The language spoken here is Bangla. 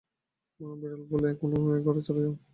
মা-বিড়াল বলল, এখন এ-ঘর থেকে চলে যাও।